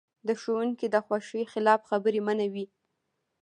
د ښوونکي د خوښې خلاف خبرې منع وې.